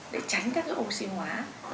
để tránh các oxy hóa